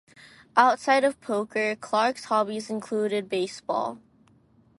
Outside of poker, Clark's hobbies included baseball.